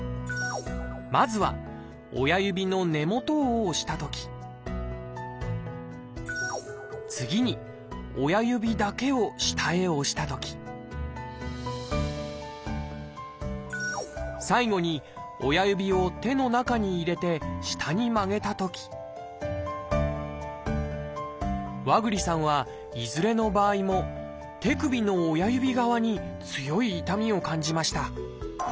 まずは親指の根元を押したとき次に親指だけを下へ押したとき最後に親指を手の中に入れて下に曲げたとき和栗さんはいずれの場合も手首の親指側に強い痛みを感じました。